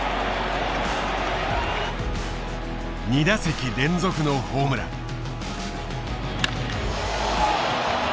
２打席連続のホームラン。